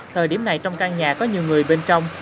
thời điểm này trong căn nhà có nhiều người bên trong